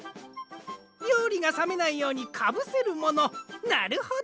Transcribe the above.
りょうりがさめないようにかぶせるものなるほど。